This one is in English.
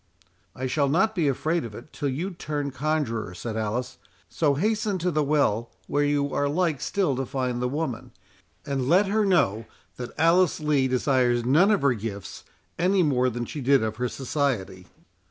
"I shall not be afraid of it till you turn conjuror," said Alice; "so hasten to the well, where you are like still to find the woman, and let her know that Alice Lee desires none of her gifts, any more than she did of her society."